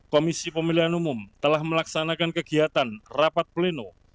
komisi pemilihan umum telah melaksanakan kegiatan rapat pleno